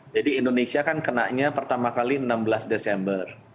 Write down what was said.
jadi indonesia kan kenaknya pertama kali enam belas desember